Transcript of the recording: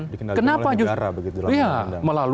dikendalikan oleh negara begitu lah